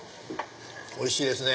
おいしいですね。